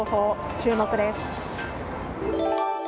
注目です。